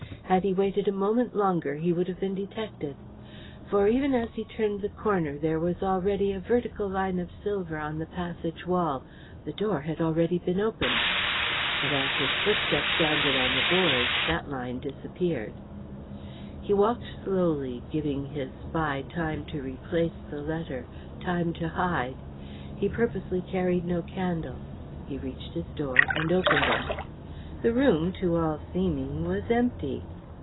Had he waited a moment longer, he would have been detected. For even as he turned the corner there was already a vertical line of silver on the passage wall; the door had been already opened. But as his footsteps sounded on the boards, that line disappeared. He walked slowly, giving his spy time to replace the letter, time to hide. He purposely carried no candle, he reached his door and opened it. The room to all seeming was empty.